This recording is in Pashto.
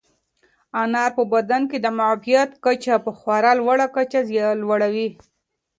انار په بدن کې د معافیت کچه په خورا لوړه کچه لوړوي.